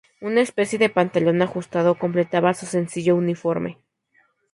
Una especie de pantalón ajustado completaba su sencillo uniforme.